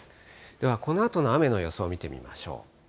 ではこのあとの雨の予想を見てみましょう。